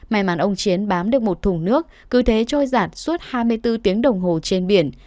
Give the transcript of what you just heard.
may mắn ông chiến bám được một thùng nước cứ thế trôi giặt suốt hai mươi bốn tiếng đồng hồ trên biển